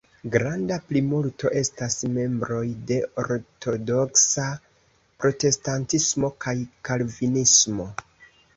Granda plimulto estas membroj de ortodoksa protestantismo kaj kalvinismo.